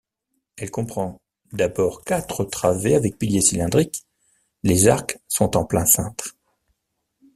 Elle comprend d'abord quatre travées avec piliers cylindriques, les arcs sont en plein cintre.